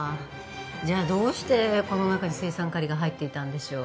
じゃあどうしてこの中に青酸カリが入っていたんでしょう。